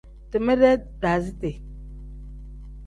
Time-dee daaziti.